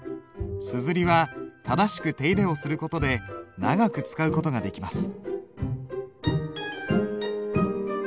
硯は正しく手入れをすることで長く使うことができます。